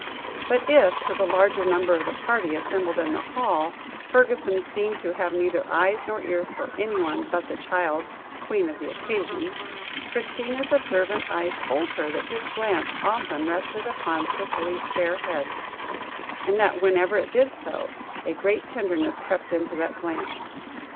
But if to the larger number of the party assembled in the hall, Fergusson seemed to have neither eyes nor ears for anyone but the child queen of the occasion, Christina's observant eyes told her that his glance often rested upon Cicely's fair head, and that whenever it did so, a great tenderness crept into that glance.